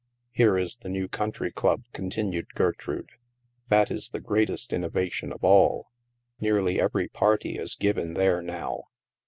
" Here is the new Country Club," continued Ger trude. "That is the greatest innovation of all. Nearly every party is given there now.